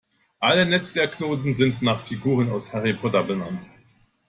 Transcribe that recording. Alle Netzwerkknoten sind nach Figuren aus Harry Potter benannt.